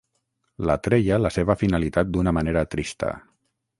L'atreia la seva finalitat d'una manera trista.